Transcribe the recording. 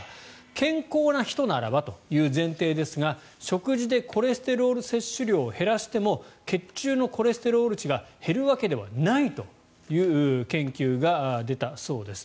健康な人ならばという前提ですが食事でコレステロール摂取量を減らしても血中のコレステロール値が減るわけではないという研究が出たそうです。